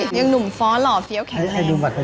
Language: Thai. ยังหนุ่มฟ้อหล่อเฟี้ยวแข็งทราย